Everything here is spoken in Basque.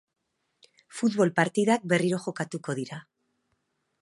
Futbol partidak berriro jokatuko dira.